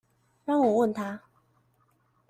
讓我問他